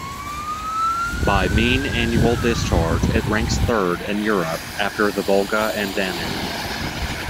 By mean annual discharge it ranks third in Europe, after the Volga and Danube.